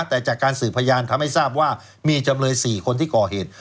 แต่จากการสืบพยานทำให้ทราบว่ามีจำเลย๔คนที่ก่อเหตุ